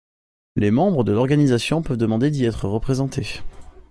Les membres de l'organisation peuvent demander d'y être représentés.